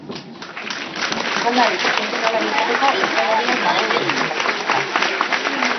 Sukaldari profesionala izateko Euskal Herrian badaude zenbait eskola.